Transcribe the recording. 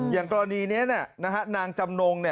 อย่างตอนนี้เนี่ยนะนางจำนง